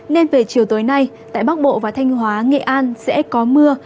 nên về chiều tối nay tại bắc bộ và thanh hóa nghệ an sẽ có mưa